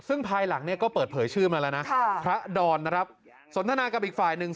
ซึ่งภายหลังเนี่ยก็เปิดเผยชื่อมาแล้วนะพระดอนนะครับสนทนากับอีกฝ่ายหนึ่ง